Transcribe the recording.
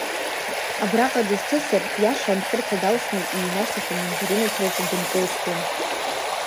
Абраҟа дызҭысыр, иаша амхырҭа далсны иҩнашьҭахь амандаринарҭаҿы дынкылсуан.